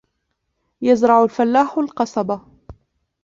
يَزْرَعُ الْفَلاَحُ الْقَصَبَ.